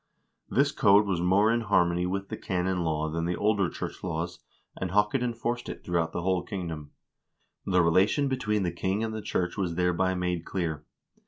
1 This code was more in harmony with the canon law than the older church laws, and Haakon enforced it throughout the whole kingdom. The relation between the king and the church was thereby made clear.